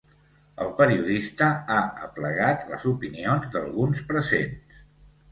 El periodista ha aplegat les opinions d’alguns presents.